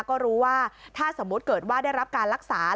ก็รู้ว่าถ้าสมมุติเกิดว่าได้รับการรักษา